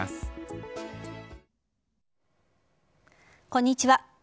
こんにちは。